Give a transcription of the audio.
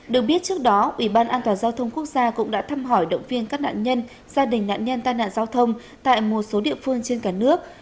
được biết trước đó ủy ban an toàn giao thông quốc gia cũng đã thăm hỏi động viên các nạn nhân gia đình nạn nhân tai nạn giao thông tại một số địa phương trên cả nước